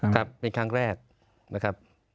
ครับเป็นครั้งแรกนะครับ